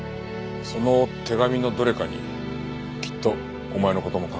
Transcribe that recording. その手紙のどれかにきっとお前の事も書かれている。